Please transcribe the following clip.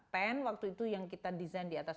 pen waktu itu yang kita desain di atas